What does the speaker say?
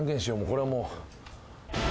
これはもう。